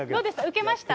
受けました？